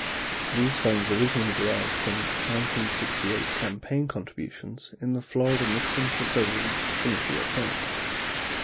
These funds originally derived from 1968 campaign contributions in the Florida Nixon for President committee account.